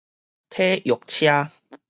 體育車